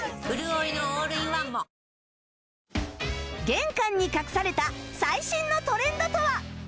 玄関に隠された最新のトレンドとは？